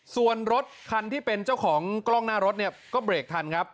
ส่วนรถคันที่เป็นเจ้าของกล้องหน้ารถเนี่ยก็เบรกทันครับ